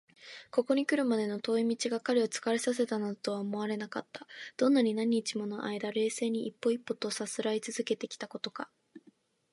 ここにくるまでの遠い道が彼を疲れさせたなどとは思われなかった。どんなに何日ものあいだ、冷静に一歩一歩とさすらいつづけてきたことか！